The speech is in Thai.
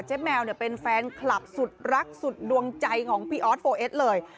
แมวเนี่ยเป็นแฟนคลับสุดรักสุดดวงใจของพี่ออสโฟเอสเลย